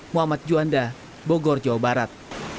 muhammad juanda bogor jawa barat